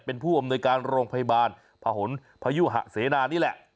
เป็นผู้อำนวยการโรงพยาบาลพะหนพยุหะเสนานี่แหละ